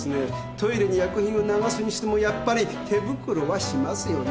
トイレに薬品を流すにしてもやっぱり手袋はしますよね？